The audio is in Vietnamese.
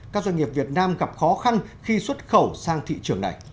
các doanh nghiệp việt nam gặp khó khăn khi xuất khẩu sang thị trường này